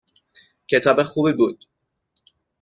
کتاب خوبی بود